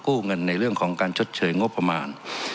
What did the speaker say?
กู้เงินในเรื่องของการชดเฉยงกว่าประมาณ